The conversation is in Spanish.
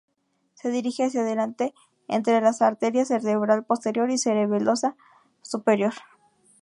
Se dirige hacia delante entre las arterias cerebral posterior y cerebelosa superior.